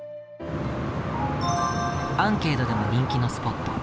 アンケートでも人気のスポット。